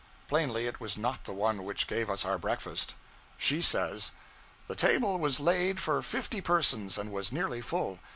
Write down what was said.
Plainly it was not the one which gave us our breakfast. She says 'The table was laid for fifty persons, and was nearly full.